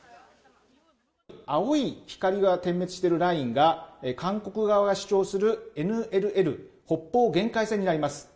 青い光が点滅しているラインが韓国側が主張するＮＬＬ・北方限界線になります。